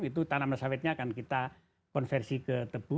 itu tanaman sawitnya akan kita konversi ke tebu